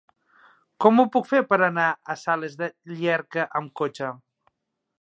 Com ho puc fer per anar a Sales de Llierca amb cotxe?